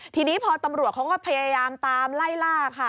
ทีนี้พอตำรวจเขาก็พยายามตามไล่ล่าค่ะ